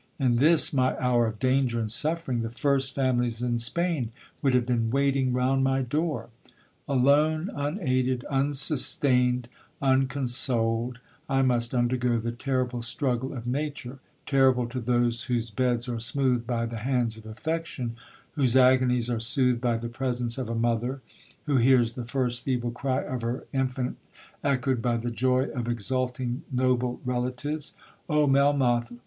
In this my hour of danger and suffering, the first families in Spain would have been waiting round my door. Alone, unaided, unsustained, unconsoled, I must undergo the terrible struggle of nature—terrible to those whose beds are smoothed by the hands of affection, whose agonies are soothed by the presence of a mother—who hears the first feeble cry of her infant echoed by the joy of exulting noble relatives. Oh Melmoth!